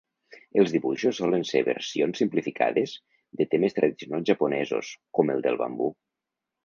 Els dibuixos solen ser versions simplificades de temes tradicionals japonesos, com el del bambú.